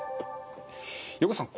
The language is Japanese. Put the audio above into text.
横手さん